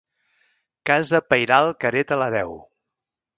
Casa pairal que hereta l'hereu.